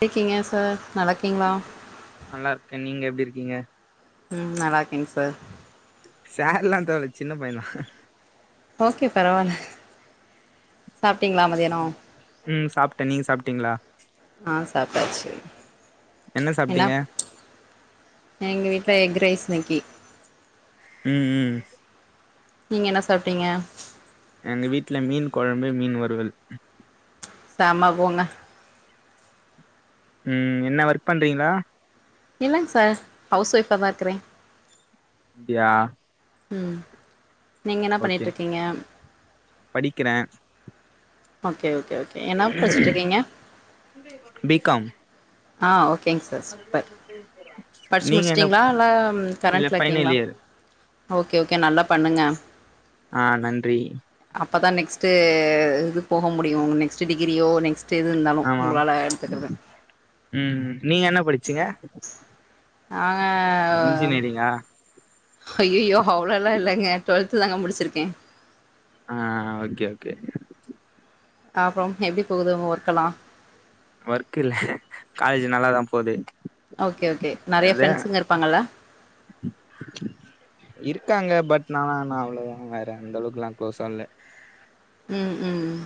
டிக்கீங்க sir நல்லா கிங்ளா? நல்லார்க்கே நீங்க எப்டிருக்கீங்க? ம் நல்லாக்கேங் சார். சார்லா தேவல்ல சின்ன பையந்தா. ஓகே பரவால்ல சாப்ட்டிங்ளா மதியானோ? ம் சாப்ட்டே நீங்க சாப்ட்டீங்களா ஆ சாப்டாச்சு. என்ன எல்லா சாப்ட்டீங்க அ எங்க வீட்ல எக் ரைஸ் இன்னிக்கி. ம் ம். நீங்க என்ன சாப்ட்டீங்க? எங்க வீட்ல மீன் கொழம்பு மீன் வறுவல். செம போங்க. ம் என்ன ஒர்க் பண்றீங்ளா? இல்லங் சார் ஹவுஸ் ஒஃபாதா இருக்கறே. அப்டியா? ம் நீங்க என்னா ஓகே பண்ணிட்ருக்கீங்க? படிக்கிறே. ஓகே ஓகே ஓ பி காம் ஆ ஓகேங் சார் சூப்ப. படிச்சு நீங்க என்ன முடிச்சிட்டிங்ளா இல்ல ம் இல்ல ஃபைனல் கரண்ட்லக்கீங்ளா? இயர் ஓகே ஓகே நல்லா பண்ணுங்க. ஆ நன்றி. அப்பதா நெக்ஸ்ட்டு இது போக முடியு நெக்ஸ்ட் டிகிரியோ நெக்ஸ் ட்டு எது இருந்தாலு ஆமா உங்களால எட்த்துக்றது. ம் ம் நீங்க என்னா படிச்சீங்க? நாங்க இன்ஜினியரிங்கா? ஹய்யய்யோ அவ்ளோலா இல்லங்க டுவெல்த் தாங்க முடிச்சிருக்கே. அ அ ஓகே ஓகே ஓகே. அப்றம் எப்டிப் ஒர்க் இல்ல காலேஜு நல்லாதா போது. ஓகே ஓகே நறைய அது ஃப்ரெண்ஸுங்க இருப்பாங்கல்ல? இருக்காங்க பட் நா நா நா அவ்வளோதா வேற அந்த அளவுக்குல்லா குளோஸா இல்ல ம் ம் ம்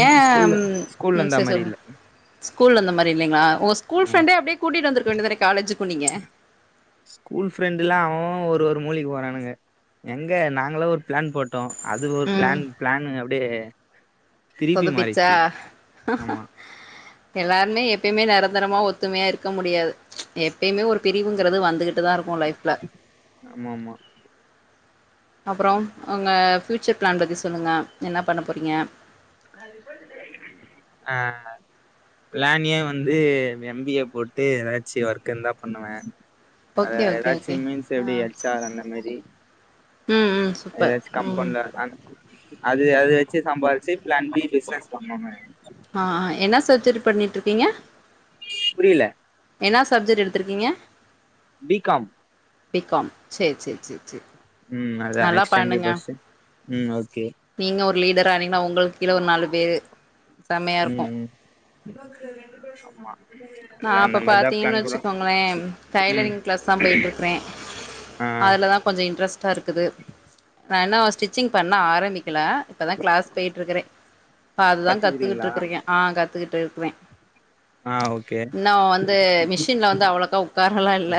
ஏ ஸ்கூல்ல ஸ்கூல்ல இந்தா சரி மாரி சொல்லுங்க இல்ல ஸ்கூல்ல இருந்த மாரி இல்லிங்களா ஓ ஸ்கூல் ஆமா ஃப்ரண்டே அப்டியே கூட்டிட்டு வந்துருக்க வேண்டிதானே காலேஜுக்கு நீங்க ஸ்கூல் ஃப்ரெண்டு்ல்லா அவே அவே ஒரு ஒரு மூலைக்கு போறானுக எங்க நாங்கல்லா ஒரு ப்ளான் போட்டோ அது ஒரு ம் ப்ளான் ப்ளான் அப்டியே திருப்பி சொதப்பிச்சா மாறிர்ச்சி ஆமா எல்லாருமே எப்பயுமே நெரந்தரமா ஒத்துமையா இருக்க முடியாது எப்பயுமே ஒரு பிரிவுங்கிறது வந்துகிட்டுதா இருக்கு லைஃப்ல ஆமாமா அப்பறோ ஒங்க ஃப்யூச்சர் ப்ளான் பத்தி சொல்லுங்க என்ன பண்ண போறீங்க ஆ ப்ளான் ஏ வந்து எம் பி ஏ போட்டு ஏதாச்சு ஒர்க் இருந்தா பண்ணுவே அதா ஓகே ஓகே ஓகே ஏதாச்சு மீன்ஸ் எப்டி ஆ ஹெச் ஆர் அந்த மாரி ம் ம் சூப்பர் எதாச்சு ம் கம்பெனில நான் அது அது வெச்சு சம்பாதிச்சு ப்ளான் பி பிசினஸ் பண்ணனு மேம் ஆ ஆ என்ன சர்ஜரி பண்ணிட்டுருக்கீங்க புரியல என்னா சப்ஜெக்ட் எடுத்துருக்கீங்க பி காம் பி காம் சேரி சேரி சேரி சேரி ம் அதா நல்லா next time M B A பண்ணுங்க படிச்ட்டு ம் ஓகே நீங்க ஒரு லீடரா ஆனீங்கன்னா ஒங்களுக்கு கீழ ஒரு நாலு பேரு செம்மையா இருக்கு இவங்க ரெண்டு பேருக்கு அம்மா நா அப்ப பாத்தீங்கன்னு வச்சுக்கோங்களே ம் டைலரிங் கிளாஸ் தா போயிட்டு இருக்குறே ஆ அதுலதா கொஞ்சோ இன்ட்ரெஸ்ட்டா இருக்குது நா இன்னோ ஸ்டிச்சிங் பண்ண ஆரம்பிக்கல இப்பதா கிளாஸ் போயிட்டு இருக்குறே இப்ப அதுதா கத்துக்கிட்டு கத்துக்கிறீங்களா இருக்றீங்க ஆ கத்துக்கிட்டு இருக்குறே ஆ ஓ இன்னு வந்து மிஷின்ல வந்து அவ்ளோக்கா உக்காரலா இல்ல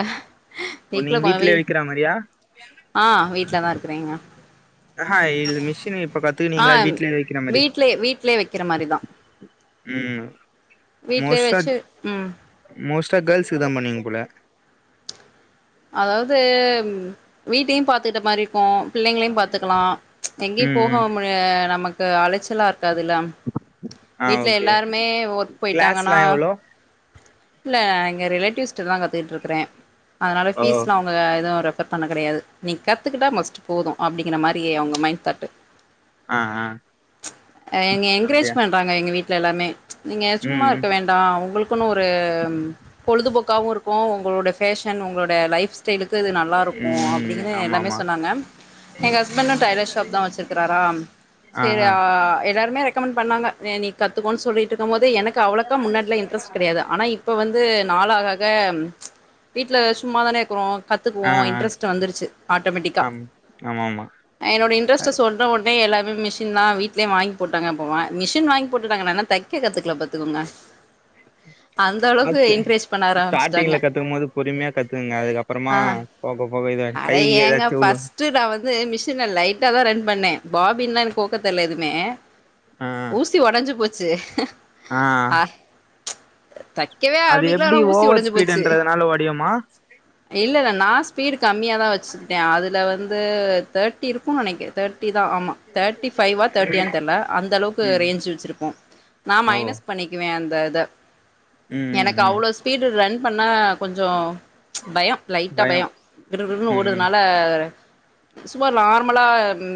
இப்போ நீங்க கொ வீ வீட்ல விக்கிற மாரியா ஆ வீட்ல தா இருக்குறேங்க ஆஹா இல்ல மிஷின் இப்ப ஆ கத்துக்கீனிங்களா வீட்லய வைக்கிற மாரி வீட்லயே வீட்லயே வைக்கிற மாரிதா ம் வீட்லயே மோஸ்டா வச்சு ம் மோஸ்டா கேர்ள்ஸ்க்கு தா பண்ணுவீங்க போல அதாவது வீட்டையு பாத்துகிட்ட மாரி இருக்கு பிள்ளைங்களையு பாத்துக்கலா எங்கயு ம் போக ம் மு நமக்கு அலைச்சலா இருக்காதுல்ல ஆ வீட்ல ஓகே எல்லாருமே ஒர்க் கிளாஸ்லா போயிட்டாங்கன்னா எவ்ளோ இல்ல எங்க ரிலேட்டிவ்ஸ்ட்டதா கத்துக்கிட்டு இருக்குறே அதனால ஓ ஃபீஸ்லா அவங்க எதுவு ரெஃபர் பண்ண கெடையாது நீ கத்துக்கிட்டா மஸ்ட்டு போது அப்டிங்கிற மாரி அவங்க மைண்ட் தாட் அ ஆ அப்டியா றாங்க எங்க வீட்ல எல்லாமே நீங்க சும்மா ம் இருக்க வேண்டா உங்களுக் குன்னு ஒரு பொழுதுபோக்காவு இருக்கு ஒங்களோட ஃபேஷன் ஒங்களோட லைஃப் ஸ்டைலுக்கு அது நல்லா இருக்கு ம் ம் அப்டின்னு ஆமா எல்லாமே ஆமா சொன்னாங்க எங்க ஹஸ்பண்டு டைலர் ஷாப் தா வச்சிருக்கிறாரா சேரி ஆ எல்லாருமே ரெக் கமன்ட் பண்ணாங்க நீ கத்துக்கோன்னு சொல்லி ட்டு இருக்குபோது எனக்கு அவ்ளக்கா முன்னாடிலா இன்ட்ரெஸ்ட் கெடையாது ஆனா இப்ப வந்து நாள் ஆக ஆக வீட்ல சும்மா தான இருக்குறோ ஆ கத்துக்குவோ ஆ இன்ட்ரஸ்ட்டு வந்துருச்சி ஆட்டோமேட்டிக்கா ஆம் ஆமா ஆமா என்னடோ இன்ட்ரஸ்ட சொன் ன உடனே எல்லாமே மிஷின் தா வீடலயே வாங்கி போட்டாங்க போவ மிஷின் வாங்கி போட்டுட்டாங்க நா தா தை கத்து கில்ல பத்துக்கோங்க அந்த அளவுக்கு கத்து என்கரேஜ் பண்ண ஆரம்பிச்சிட்டாங்க ஸ்டார்டிங்ல கத்துக்கும் போது பொறுமையா கத்துக்குங்க அதுக்க அப்புறமா போக போக இது கைக்கு ஏதாச்சி உழு ட்டு நா வந்து மிஷின லைட்டா தா ரன் பண்ணே பாபின்னா கோக்க தெர்ல எதுமே ஆ ஊசி உடஞ்சு போச்சு ஆ தைக்கவே அது ஆரம்பிக்கல எப்டி ஆனா ஊசி ஓவர் ஸ்பீடன்றதுனால ஒடைவுயமா இல்லல்ல நா ஸ்பீடு கம்மியா தா வச்ருந்த அதுல வந்து தேட்டிருப் பூ நினைக்கு தேர்டி தா ஆமா தேர்ட்டி பைவா தேர்டிய தெர்ல அந்த அளவுக்கு ம் ரேஞ் வச்சிருப்போ நா ஓ மைனஸ் பண்ணிக்குவ அந்த இத ம் ம் எனக்கு ம் அவ்ளோ ஸ்பீடு ரன் பண்ண கொஞ்சோ பயோ லைட்டா பயோ பயம் கிடு கிடு கிடுன்னு ம் ம் ஓடுதுனால சமார் நார்மலா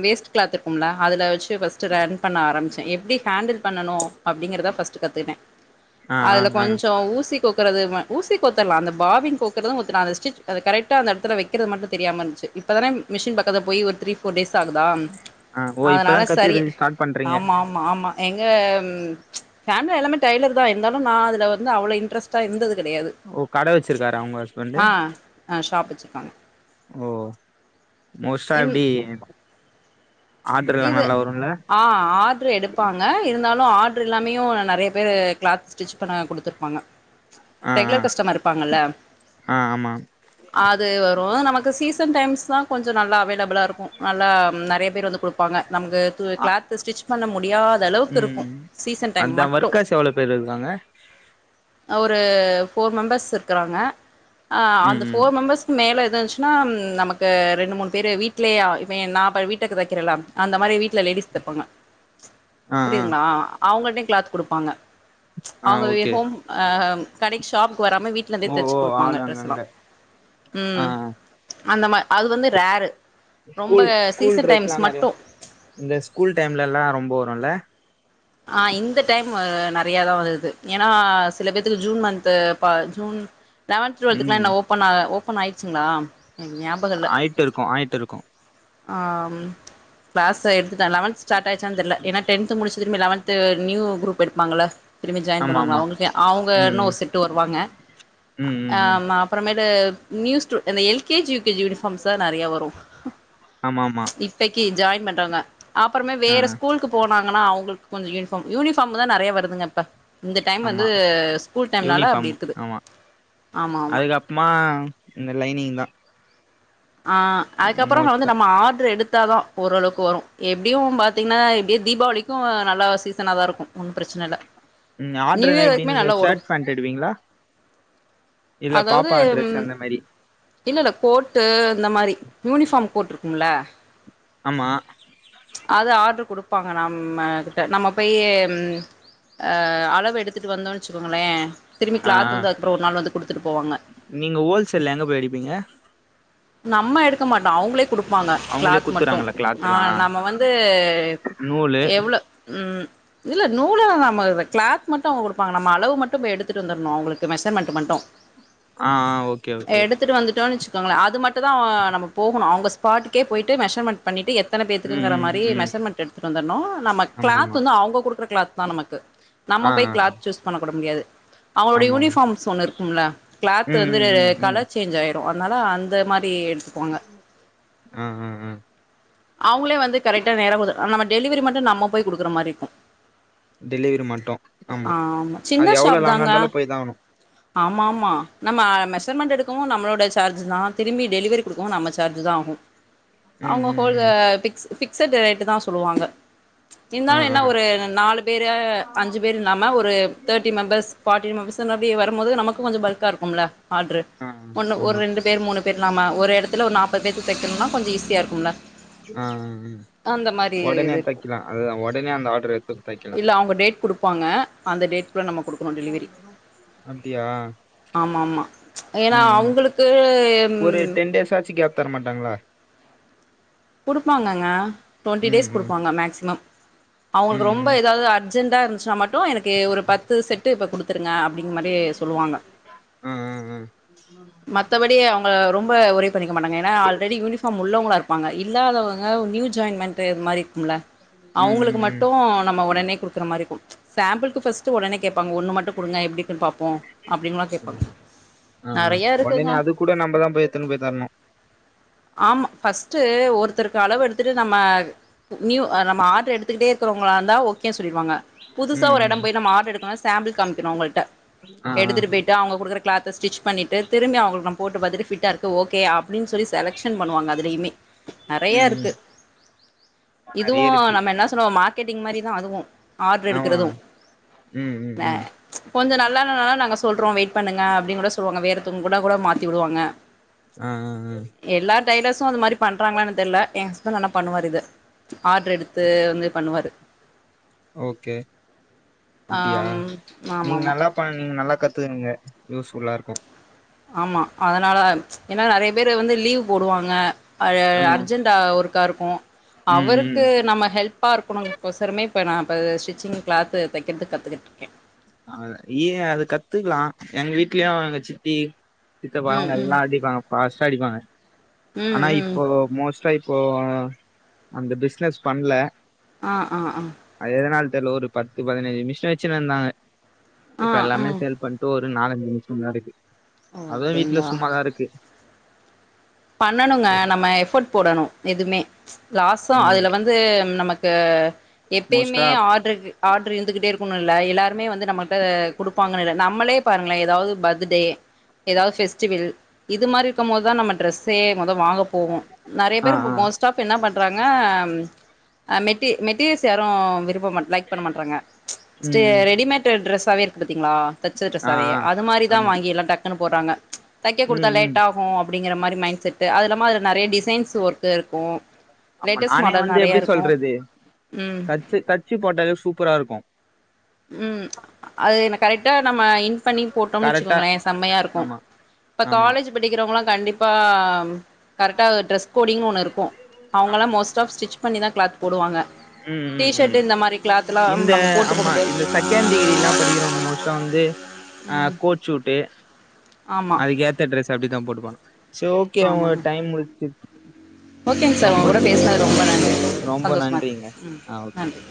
வேஸ்ட் கிளாத் இருக்கும்ல அதுல வச்சு ஃபர்ஸ்ட் ரன் பண்ண ஆரம்பிச்ச எப்டி ஹேண்டில் பண்ணனு அப்டிங்கத ஃபர்ஸ்ட் கத்துகிட்ட ஆ ஆ அதுல ஆ கொஞ்சோ ஊசி கொக்குறது ஊசி கொத்துரலா அந்த பாபின் கோக்குறது ஒத்த அந்த ஸ்டிட்ச் அதை கரெட்டா அந்த எடத்து வைக்கிறது மட்டு தெரியாம இருந்துச்சு இப்போதான மிஷின் பக்கத்தில போய் ஒரு த்ரி டேஸ் ஆகுதா ஆ ஓ அதனால இப்பதா சரி கத்துக்கறது ஸ்டார்ட் பண்றீங்க ஆமாம் மாமா எங்கம் ஃபேமிலில எல்லாமே டைலர் தா நா அது வந்து அவ்ள இன்டரெஸ்ட இருந்த கெடையாது ஓ கடை வச்சிருக்காரு அவங்க ஆ ஆ ஷாப் வச்சுக்காங்க ஓ மோஸ்டா இன் எப்டி ஆடர்லா இது நல்ல வருல ஆ ஆர்ட்ரு எடுப்பாங்க இருந்தாலு ஆர்ட்ரு இல்லாமயும் நறைய பேரு கிளாத் ஸ்டிச் பண்ண குடுத்துருப்பாங்க ஆ ஆ ரெகுலர் கஸ்டமர் இருப்பாங்கல்ல ஆ ஆமா அது வரு நமக்கு சீசன் டைம்ஸ்தா கொஞ்ச நல்லாவே டபுளா இருக்கு நல்லா நெறைய பேர் வந்து குடுப்பாங்க நமக்கு அ கிளாத் ஸ்டிச் பண்ண முடியாத அளவுக்கு இருக்கு ம் சீசன் டைம் அதா மட்டு ஒர்க்கர்ஸ் எவ்ளோ பேர் இருக்காங்க ஒரு போர் மெம்பர்ஸ் இருக்கிறாங்க அ ம் அந்த ம் போர் மெம்பர்ஸ் மேலே எதுந்ச்சுன்னா நமக்கு ரெண்டு மூணு பேர் வீட்லேயே இப்ப நா இப்ப வீட்டக்கு தைக்கிறலா அந்த மாரி வீட்டல லேடிஸ் தைப்பாங்க ஆ ஆ புரியுதுங்ளா அவங்கட்டயு கிளாத் குடுப்பாங்க ஆ அவங்க வே ஓகே ஹோம் அ அம் கடைக்கு ஷாப்புக்கு வராம வீட் லே ஓ தச்சி ஓ குடுப்பாங்க ஆள் டிரெஸீலா அங்கங்க ஆ உம் ஆ அந்த மாற் அது வந்து ரேரு ரொம்ப school school season dress times எல்லா நெறைய மட்டு இந்த ஸ்கூல் டைம்ல எல்லா ரொம்ப வரும்ல ஆ இந்த டைம் நெறையாதா வருது ஏனா சில பேத்துக்கு ஜூன் மந்த் பா ஜூன் லெவன்து டுவல்த்துக்குலா ம் என்ன ஓப்பன் ஆ ஓப்பன் ஆயிச்சிங்களா எனக்கு ஞாபக இல்ல ஆய்ட்டு இருக்கு ஆய்ட்டு இருக்கு ஆ பேஷ எடுத்துட்டா லெவன்த் ஸ்டார்ட் ஆய்ச்சான்னு தெர்ல ஏனா டென்த்து முடிச் திரும்பி லெவன்த் நியூ குரூப் எடுப்பாங்கள திருபி ஜாயின் ஆமா ஆமா பண்ணுவாங்களா அவங்களுக்கே அவங்க இன்னு ம். ஒரு செட்டு வருவாங்க ம். அ ம். ம். மாப் அப்றமேலு நியூஸ்டூ அந்த எல்கேஜி யுகேஜி யூனிஃபார்ம்ஸ்ஸா நெறியா வரு ஆமா, ஆமா. இப்பக்கி ஜாயின் பண்றாங்க ஆப்றமே ஆ. வேற ஸ்கூலுக்கு போனாங்கன்னா அவங்களுக்கு கொஞ்ச யூனிபார்ம் யூனிஃபார்முதா நெறைய வருதுங்கப்ப இந்த டைம் வந்து ஆமா. ஸ்கூல் டைம்னால அப்டி யூனிஃபார்ம். இருக்குது ஆமா ஆமா சும்மா இந்த லைனிங் தா ஆ அதுக்கப்றோ ந வந்து மோஸ்ட்டா. நம்ம ஆர்டரு எடுத்தாதா ஓரளவுக்கு வரு எப்டியு பாத்திங்கன்னா எப்டியு தீபாவளிக்கு நல்லா சீசனாதா இருக்கு ஒன்னு பிரச்சன இல்ல ம். ஆர்டர் நியூஇயர் நைட்டி வரைக்குமே நீங்க நல்லா ஓடு ஷர்ட், பேண்ட் எடுப்பீங்களா? இல்ல அதாவது பாப்பா ட்ரெஸ் ம் அந்த மாரி. இல்லல்ல கோட்டு அந்த மாரி யூனிபார்ம் கோட் இருக்கும்ல ஆமா அது ஆர்டரு குடுப்பாங்க நம்ம கிட்ட நம்ம போயி அ அளவு எடுத்துட்டு வந்தோ வச்சுக்கோங்களே திரும்பி ஆ. கிளாத் வந்து அதுக்கப்றோ ஒரு நாள் வந்து குடுத்துட்டு போவாங்க நீங்க ஹோல்சேல்ல எங்க போய் எடுப்பீங்க நம்ம எடுக்க மாட்டோ அவுங்ளே குடுப்பாங்க அவங்களே கிளாத் மட்டு குடுத்துறாங்களா ஆ கிளாத்லாம்? நம்ம வந்து நூலு. எவ்ளோ ம் இதுல்ல நூல்ல நம்மது கிளாத் மட்டு அவுங்க கொடுபாங்க நம்ம அளவு மட்டு போய் எடுத்துட்டு வந்தர்ணு அவங்களுக்கு மெஷர்மெண்ட் மட்டு ஆ ஆ ஓகே ஓகே எடுத்துட்வந்துடோனு வச்சுக்கோங்களே அது மட்டு தா நம்ம போகணு அவங்க ஸ்பாட்டுக்கே போய்ட்டு மெஷர்மென்ட் பண்ணிட்டு எத் எத்தன ம். பேத்துக்குங்கற ம். மாரி ம். மெஷர்மெண்ட் எடுத்துட்டு வந்தர்ணு நம்ம கிளாத் ஆமாமா. வந்து அவங்க குடுக்கற கிளாத் தா நமக்கு நம்ம ஆ, ஆ. போய் கிளாத் சூஸ் பண்ண கூட முடியாது அவுங்களுடைய ஆமாமா. யூனிஃபாம்ஸ் ஒண்ணு இருக்கும்ல கிளாத் ம். வந்து ம். ம். ம். கலர் சேஞ்ச் ஆயிரு அதனால அந்த மாரி தீர் ம் ம் ம் அவுங்ளே வந்து கரெக்டா நேர ஒதுக் நம்ம டெலிவரி மட்டு நம்ம போய் குடுக்குற மாரி இருக்கு டெலிவரி மட்டு ஆ ஆமா சின்ன ஷாப் தாங்க போய் தான் ஆகணும். ஆமாமா நம்ம மெசர்மெண்ட் எடுக்கவு நம்மளோட சார்ஜ் தா திரும்பி டெலிவரி குடுக்கவு நம்ம சார்ஜ் தா ஆகு ம். அவுங்க ம். ஹோல்ல ம். பிக்ஸ் பிக்சட்டு ரேட் தா சொல்லுவாங்க ஆ, இருதாலு ஆ. என்ன ஒரு நாலு பேர் அஞ் அஞ்ச பேர் இல்லாம ஒரு தேர்ட்டி மெம்பர்ஸ் பார்டி மெம்பர்ஸ் அப்டி வருபோது நமக்கு கொஞ்சோ பல்கா இருக்கும்ல ஆ்ர்டரு ஆ ஆமா. ஒரு ரெண்டு பேர் மூணு பேர் இல்லாம ஒரு எடத்துல ஒரு நாற்பது பேர்கு தைக்கணுனா கொஞ்ச ஈசியா இருக்கும்ல ஆ ஆ ஹா அந்த மாரி ஒடனே இது இருக்கு தைக்லா அதுதா ஒடனே அந்த ஆர்டர் எடுத்து தைக்கலா ப்பாங்க அந்த டேட்க்குள்ள நம்ம குடுக்கணு டெலிவரி அப்டியா ஆமாமா ஏனா ம் ம் அவுங்களுக்கு ஒரு டென் டேஸ்ஸாச்சு கேப் தர மாட்டாங்ளா குடுப்பாங்கங்க டுவெண்டி ம் டேஸ் ம் குடுப்பாங்க மேக்சிமம் அவங்களுக்கு ம் ரொம்ப ம் எதாவது அர்ஜெண்டா இருந்துச்சுன்னா மட்டு எனக்கு ஒரு பத்து செட்டு இப்போ குடுத்துருங்க அப்டிங்க மாரி சொல்லுவாங்க ம் ம் ம் மத்தபடி அவங்க ரொம்ப ஒரி பண்ணிக்க மாட்டாங்க ஏனா ஆல்ரெடி யூனிஃபார்ம் உள்ளவங்ளா இருப் பாங்க இல்லாதவங்க நியூ ஜாய்மெண்டு மாரி இருக்கும்ல ம் அவங்களுக்கு ம் ம் மட்டு நம்ம ஒடனே குடுக் இருக்கற மாரி குடு சாம்பிளுக்கு ஃபஸ்ட்டு ஒடனே கேப்பாங்க ஒன்னு மட்டு குடுங்க எப்டி இருக்குன்னு பாப்போ அப்டின்லா கேப்பாங்க அ நெறைய ஒடனே இருக்குங்க அது கூட நம்மதா போய் எத்துனு போய் தரணு ஆமா ஃபர்ஸ்ட்டு ஒருத்தருக்கு அளவு எடுத்துட்டு நம்ம நியூ நம்ம ஆர்டர் எடுத்துக்கிட்டே இருக்குறவங்கள இருந்த ஓகே சொல்லிடுவாங்க புதுசா ம் ஒரு ம் இடம் போய் நம்ம ஆர்டர் எடுக்கனுனா சாம்பில் காமிகனு அவுங்கள்ட ஆ ஆ எடுத்துட்டு போயிட்டு அவுங்க குடுக்குற கிளாத்தஸ் பண்ணிட்டு திரும்பி அவுங்களுக்கு நம்ப போட்டு பாத்துட்டு ஃபிட்டா இருக்கு ஓகே அப்டின் சொல்லி செலக்க்ஷன் பண்ணுவாங்க அதுலயுமே நறைய ம் இருக்கு ம் இதுவு நெறைய இருக்கு நம்ம என்ன சொ ல்றோ மார்க்கெட்டிங் மாரி தா அதுவு ஆர்ட்ரு ஆமா எடுக்கறது ம் ம் ந ம் கொஞ்ச நல்லாண்ணனா நாங்க சொல்றோ வெயிட் பண்ணுங்க அப்டின்னு கூட சொல்லுவாங்க வேறத்துன்வங்க கூட கூட மாத்தி விடுவாங்க ஆ ஆ ஆ எல்லா டைலர்சு அது மாரி பண்றாங்ளானு தெரில இன்னு நல்லா பண்ணுவார் இது ஆர்டர் எடுத்து வந்து பண்ணுவாரு ஓகே அப்டியா ஆம் ஆமா நீங்க ஆமா நல்லா அப்ப நீங்க நல்லா கத்துக்குங்க யூஸ் ஃபுல்லா இருக்கு ஆமா அதனால ஏனா நெறைய பேர் வந்து லீவ் போடுவாங்க ஆ அர்ஜென்ட் ஒருக்கா இருக்கு ம் ம் அவருக்கு நம்ம ஹெல்ப் பா இருக்கணுற்குசமே இப்ப நா இப்ப ஸ்டிச்சிங் கிளாத் தெக்கிறதுக்கு கத்துகிட்டு இருக்க நீ ஏன் அத கத்துக்லா எங்க வீட்லயு எங்க சித்தி சித்தபா ம் ம் எல்லா அடிப்பாங்க ஃபாஸ்டா அடிப்பாங்க ம் ஆனா ம் இப்போ மோஸ்டா இப்போ அந்த பிசினஸ் பண்ல ஆ ஆ ஆ அது எதனால் தெர்ல ஒரு பத்து பதினைஞ்சு மிஷின் வச்சு இருந்தாங்க இப்ப ஆ எல்லாமே ம் சேல்ஸ் பண் இப்ப ஒரு நாலஞ்சு மிஷின் தா இருக்கு ஓ அதுவு வீட்ல அப்டிங்களா சும்மாதா இருக்கு பண்ணணுங்க நம்ம எஃபோர்ட் போடணு எதுமே லாசு ம் அதுல வந்து நமக்கு எப்யுமே மோஸ்ட்டா ஆர்டர் இருக் ஆர்டர் இருந்துகிட்டே இருக்கணு இல்ல எல்லாருமே வந்து நமக்கு குடுப்பாங்கன்னு இல்ல நம்மளே பாருங்ளே எதாவது பர்த்டே எதாவது ஃபெஸ்டிவல் இது மாரி இருக்கும் போது தா நம்ம ட்ரெஸ் சே மொத வாங்க போவோ நறைய ஆ பேர் ஆ மோஸ் ஸ் டாப் என்ன பண்றாங்க மெட்டி மெட்டீரியல்ஸ் யாரு விரும்ப மாட் லைக் பண்ண மாட்றாங்க நெஸ்டு ம் ரெடிமேட் ட்ரெஸவே இருக்கு பாத்தீங்ளா தெச்ச ஆ ட்ரெஸ்சாவே ஆ அது மாரிதா ஆமா வாங்கி எல்லா டக்குனு போறாங்க தெக்க குடுத்தா ம் ம் லேட் ஆகு அப்டிங்கிற மாரி மைண்செட்டு அது இல்லாம அது நெறைய டிசைன்ஸ் ஒர்க் இருக்கு ஆமா லேட்டஸ்ட் நானே மாடல் வந்து நெறையா எப்டி இருக்கு சொல்றது ம் தச்சி தச்சி போட்டா தா சூப்பரா இருக்கு ம் அது என்ன கரெக்டா நம்ம இன் பண்ணி போட்டோம் கரெக்டா வச்சுக்கோங்ளே செம்மையா இருக்கு ஆமா இப்ப ஆமா காலேஜ் படிக்கிறவுங்களா கண்டிப்பா கரெக்டா டரெஸ் கோடிங் ஒண்ணு இருக்கு அவுஙகெல்லா ஆமா மோஸ்ட் ஆஃப் ஸ்டிச் பண்ணிதா கிளாத் போடுவாங்க ம் ம் ம் டீஷர்ட்டு இந்த மாரி கிளாத் எல்லா இந்த நம்ம போட்டு ஆமா குடுத்து இந்த செகண்ட் டிகிரி லா படிக்கிறவங்க மோஸ்ட்டா வந்து அ ம் கோட்சூட்டு ஆமா அதுக்கு ஏத்த ட்ரெஸ் அப்டிா தா போட்டுகுவாங்க ஆமாங்க ஓகேங்க சார் உங்க கூட பேசுனது ரொம்ப நன்றி ரொம்ப சந்தோஷமா நன்றிங்க இருக்கு ம் ஆ ஓகே நன்றி